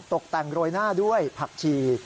ตกแต่งโรยหน้าด้วยผักชี